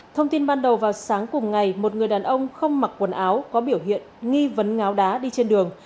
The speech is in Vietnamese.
thông tin ban đầu vào sáng cùng ngày một người đàn ông không mặc quần áo có biểu hiện nghi vấn ngáo đá đi trên đường